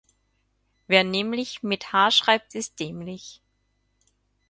Wer nämlich mit "h" schreibt, ist dämlich.